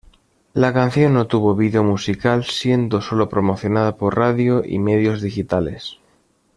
La canción no tuvo video musical siendo solo promocionada por radio y medios digitales.